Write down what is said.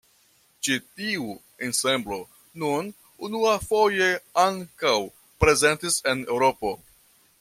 Ĉi tiu ensemblo nun unuafoje ankaŭ prezentis en Eŭropo.